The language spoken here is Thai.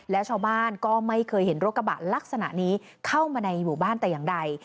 แล้วชาวบ้านก็ไม่เคยเห็นรถกระบะลักษณะนี้เข้ามาในหมู่บ้านแต่อย่างใด